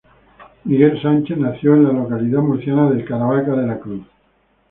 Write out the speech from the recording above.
Miguel Sánchez nació en la localidad murciana de Caravaca de la Cruz.